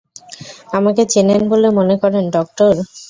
আমাকে চেনেন বলে মনে করেন, ডক্টর?